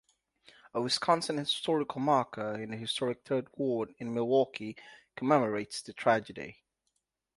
A Wisconsin historical marker in the historic third ward in Milwaukee commemorates the tragedy.